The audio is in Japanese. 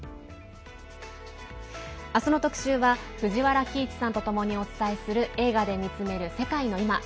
明日の特集は藤原帰一さんとともにお伝えする「映画で見つめる世界のいま」。